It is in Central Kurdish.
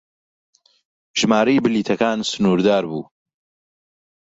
ژمارەی بلیتەکان سنوردار بوو.